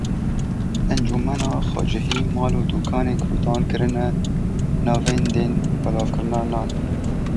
Encûmena Xwecihî mal û dukanên Kurdan kirine navêndên belavkirina nan.